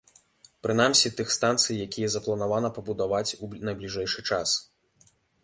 Прынамсі тых станцый, якія запланавана пабудаваць у найбліжэйшы час.